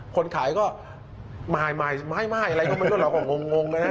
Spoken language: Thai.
คนขายก็ไม่อะไรก็ไม่รู้เราก็งงเลยนะ